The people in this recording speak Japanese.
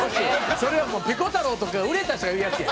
それはもうピコ太郎とか売れた人が言うやつや。